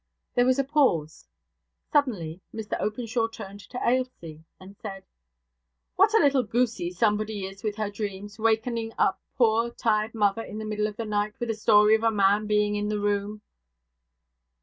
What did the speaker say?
There was a pause. Suddenly Mr Openshaw turned to Ailsie, and said: 'What a little goosy somebody is with her dreams, wakening up poor, tired mother in the middle of the night, with a story of a man being in the room.'